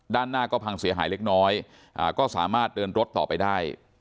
ด้านหน้าก็พังเสียหายเล็กน้อยก็สามารถเดินรถต่อไปได้